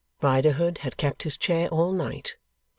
Riderhood had kept his chair all night.